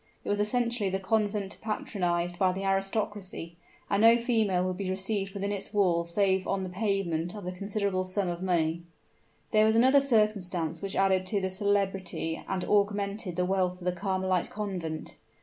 It was essentially the convent patronized by the aristocracy; and no female would be received within its walls save on the payment of a considerable sum of money. There was another circumstance which added to the celebrity and augmented the wealth of the Carmelite Convent.